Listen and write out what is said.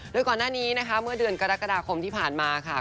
โดยก่อนหน้านี้นะคะเมื่อเดือนกรกฎาคมที่ผ่านมาค่ะ